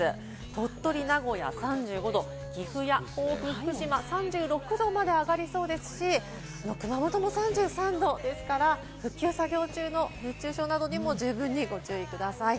鳥取、名古屋は３５度、岐阜や甲府、福島３６度まで上がりそうですし、熊本も３３度ですから、復旧作業中の熱中症などにも十分にご注意ください。